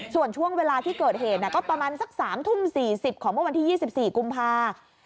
ส่วนช่วงเวลาที่เกิดเหตุก็ประมาณสัก๓ทุ่ม๔๐ของเมื่อวันที่๒๔กุมภา